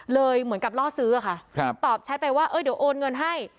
เหมือนกับล่อซื้อค่ะตอบแชทไปว่าเดี๋ยวโอนเงินให้